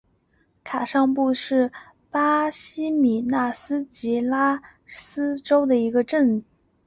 卡尚布是巴西米纳斯吉拉斯州的一个市镇。